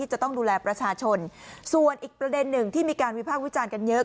จะต้องดูแลประชาชนส่วนอีกประเด็นหนึ่งที่มีการวิพากษ์วิจารณ์กันเยอะ